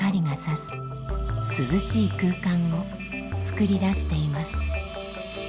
すずしい空間を作り出しています。